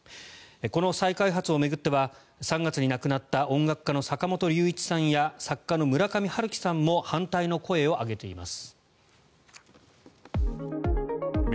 この再開発を巡っては３月に亡くなった音楽家の坂本龍一さんや作家の村上春樹さんも反対の声を上げています。